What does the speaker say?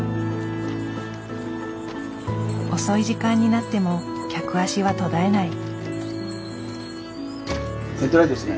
遅い時間になっても客足は途絶えない。